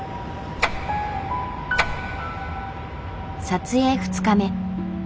撮影２日目。